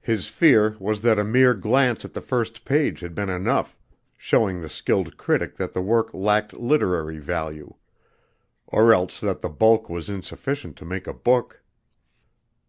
His fear was that a mere glance at the first page had been enough, showing the skilled critic that the work lacked literary value; or else that the bulk was insufficient to make a book.